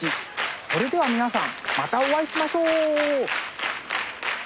それでは皆さんまたお会いしましょう。